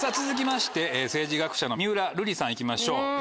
続きまして政治学者の三浦瑠麗さん行きましょう。